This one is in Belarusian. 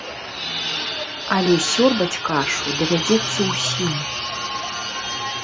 Але сёрбаць кашу давядзецца ўсім.